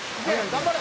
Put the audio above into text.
頑張れ！」